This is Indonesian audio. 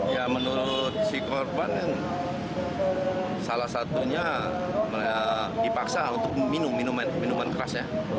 ya menurut si korban salah satunya dipaksa untuk minum minuman keras ya